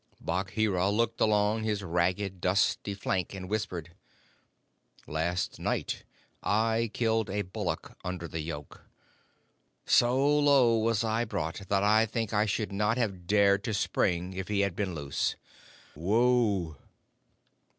Bagheera looked along his ragged, dusty flank and whispered: "Last night I killed a bullock under the yoke. So low was I brought that I think I should not have dared to spring if he had been loose. _Wou!